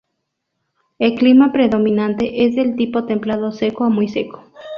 El clima predominante es del tipo templado seco a muy seco.